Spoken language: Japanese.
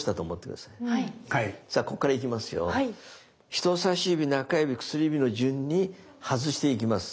人さし指中指薬指の順に外していきます。